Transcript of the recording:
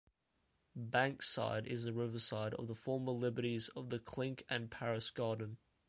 Bankside is the riverside of the former liberties of the Clink and Paris Garden.